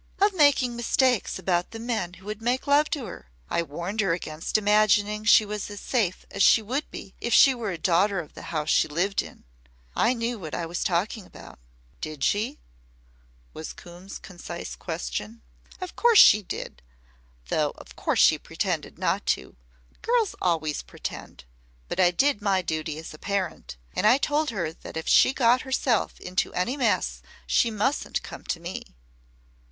"Of making mistakes about the men who would make love to her. I warned her against imagining she was as safe as she would be if she were a daughter of the house she lived in. I knew what I was talking about." "Did she?" was Coombe's concise question. "Of course she did though of course she pretended not to. Girls always pretend. But I did my duty as a parent. And I told her that if she got herself into any mess she mustn't come to me."